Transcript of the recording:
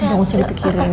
udah usah dipikirin ya